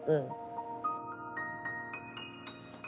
เออ